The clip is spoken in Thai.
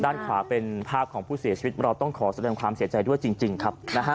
ด้านขวาเป็นภาพของผู้เสียชีวิตเราต้องขอแสดงความเสียใจด้วยจริงครับ